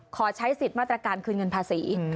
ขอใช้สิทธิ์มาตรการคืนเงินภาษี